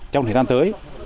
trong thời gian tới